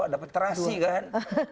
dapat terasi kan